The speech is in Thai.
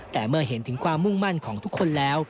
แต่เมื่อเห็นถึงความมุ่งมั่นของทุกคนแล้ว